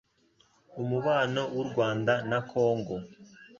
umubano w'u Rwanda na Kongo